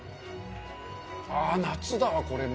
ああ、夏だわ、これも。